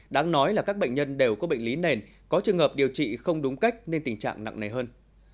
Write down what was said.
đáng nói là các bệnh nhân đều có bệnh lý nền có trường hợp điều trị không đúng cách nên tình trạng nặng nề hơn